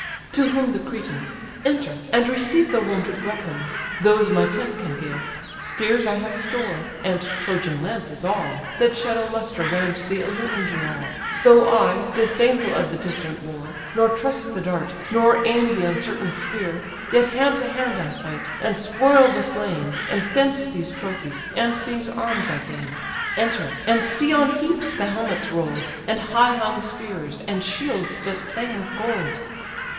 To whom the Cretan: "Enter, and receive The wonted weapons; those my tent can give; Spears I have store, (and Trojan lances all,) That shed a lustre round the illumined wall, Though I, disdainful of the distant war, Nor trust the dart, nor aim the uncertain spear, Yet hand to hand I fight, and spoil the slain; And thence these trophies, and these arms I gain. Enter, and see on heaps the helmets roll'd, And high hung spears, and shields that flame with gold."